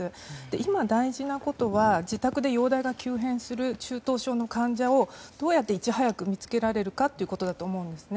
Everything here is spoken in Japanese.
今、大事なことは自宅で容体が急変する中等症の患者をどうやって、いち早く見つけられるかということだと思うんですね。